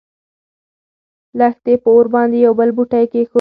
لښتې په اور باندې يو بل بوټی کېښود.